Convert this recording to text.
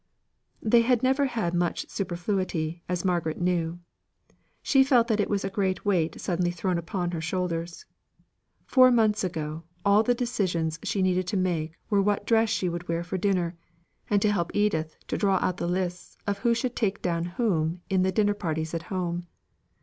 They had never had much superfluity, as Margaret knew. She felt that it was a great weight suddenly thrown upon her shoulders. Four months ago, all the decisions she needed to make were what dress she would wear for dinner, and to help Edith to draw out the lists of who should take down whom in the dinner parties at home.